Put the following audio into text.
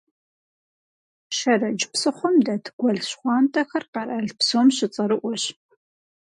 Шэрэдж псыхъуэм дэт Гуэл щхъуантӀэхэр къэрал псом щыцӀэрыӀуэщ.